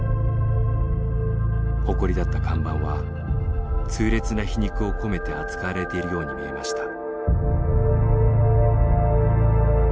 誇りだった看板は痛烈な皮肉を込めて扱われているように見えました。